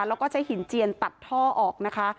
แล้วก็ใช้หินเจียนตัดท่อออกนะคะ